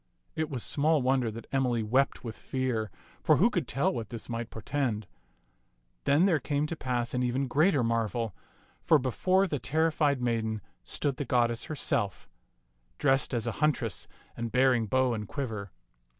It was small wonder that Emily wept with fear, for who could tell what this might portend ? Then there came to pass an even greater marvel, for before the terrified maiden stood the goddess herself, dressed as a huntress and bearing bow and quiver.